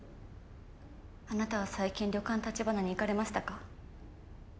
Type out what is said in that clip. あなたは最近旅館たちばなに行かれましたか？